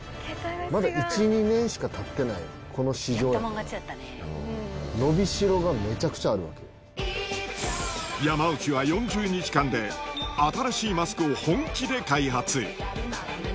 まだ１、２年しかたってないこの市場、山内は４０日間で、新しいマスクを本気で開発。